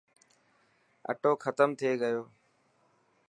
اثو ختم ٿي گيو.